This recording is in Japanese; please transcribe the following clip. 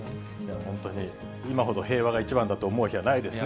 本当に今ほど平和が一番だと思う日はないですね。